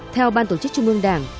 theo ban tổ chức trung ương đảng